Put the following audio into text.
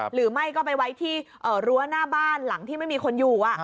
หรือไม่ก็ไปไว้ที่รั้วหน้าบ้านหลังที่ไม่มีคนอยู่